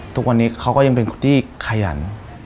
ทุกวันนี้เขาก็ยังเป็นคนที่ขยัน